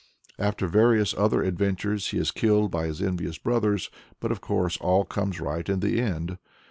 After various other adventures he is killed by his envious brothers, but of course all comes right in the end.